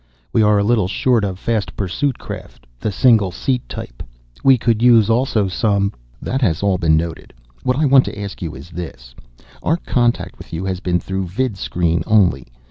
"We are a little short of fast pursuit craft, the single seat type. We could use also some " "That has all been noted. What I want to ask you is this. Our contact with you has been through vidscreen only.